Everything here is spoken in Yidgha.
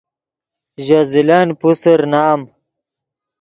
ژے زلن پوسر نام